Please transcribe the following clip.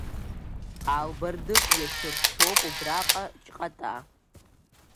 Ал-бардык иашьырцоуп убраҟа Џь-ҟата…